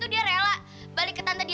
ada yang cari teri